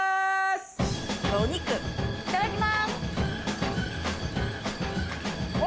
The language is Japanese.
お肉いただきます。